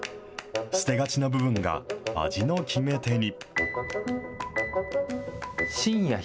捨てがちな部分が味の決め手に。